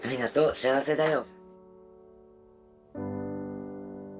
幸せだよ。